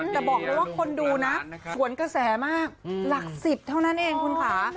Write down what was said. แต่บอกเลยว่าคนดูนะสวนกระแสมากหลัก๑๐เท่านั้นเองคุณค่ะ